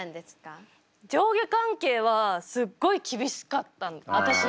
上下関係はすっごい厳しかったの。